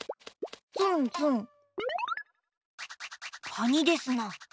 カニですな。